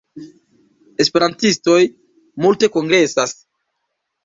Esperantistoj multe kongresas.